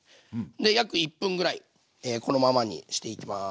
で約１分ぐらいこのままにしていきます。